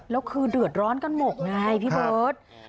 แล้วคือเดือดร้อนกันหมดไงพี่เบิร์ต